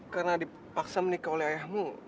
karena dipaksa menikah oleh ayahmu